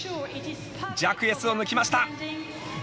ジャクエスを抜きました。